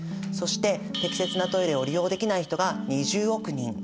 そして適切なトイレを利用できない人が２０億人。